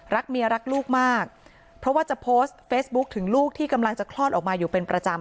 เมียรักลูกมากเพราะว่าจะโพสต์เฟซบุ๊คถึงลูกที่กำลังจะคลอดออกมาอยู่เป็นประจำ